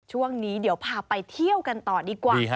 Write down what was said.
ช่วงนี้เดี๋ยวพาไปเที่ยวกันต่อดีกว่า